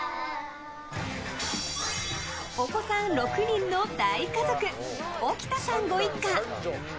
お子さん６人の大家族置田さんご一家。